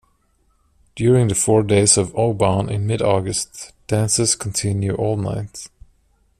During the four days of Obon in mid-August, dances continue all night.